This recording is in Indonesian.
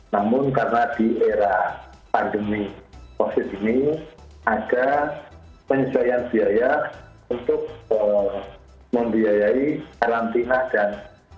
namun karena di era pandemi covid ini ada penyesuaian biaya untuk membiayai karantina dan